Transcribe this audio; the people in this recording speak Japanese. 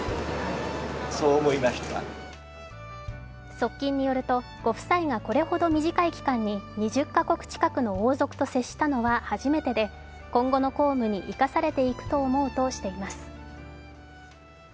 側近によるとご夫妻がこれほど短い期間に２０か国近くの王族と接したのは初めてで今後の公務に生かされていくと思うとしています。